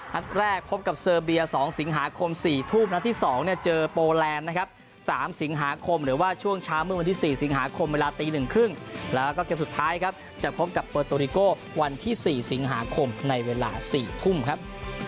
นัดแรกพบกับเซอร์เบีย๒สิงหาคม๔ทุ่มนัดที่๒เนี่ยเจอโปแลนด์นะครับ๓สิงหาคมหรือว่าช่วงเช้าเมื่อวันที่๔สิงหาคมเวลาตี๑๓๐แล้วก็เกมสุดท้ายครับจะพบกับเบอร์โตริโกวันที่๔สิงหาคมในเวลา๔ทุ่มครับ